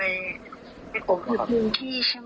ไปข่มคือพื้นที่ใช่ไหม